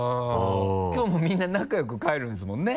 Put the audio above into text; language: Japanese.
きょうもみんな仲良く帰るんですもんね？